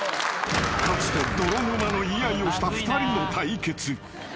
［かつて泥沼の言い合いをした２人の対決］